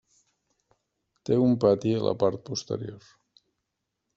Té un pati a la part posterior.